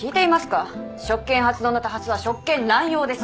職権発動の多発は職権乱用です。